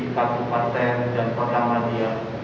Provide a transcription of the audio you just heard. pasukan dan perusahaan media